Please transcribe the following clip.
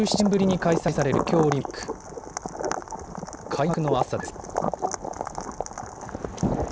開幕の朝です。